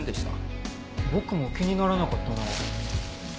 僕も気にならなかったなあ。